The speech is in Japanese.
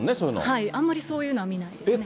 あんまり、そういうのは見ないですね。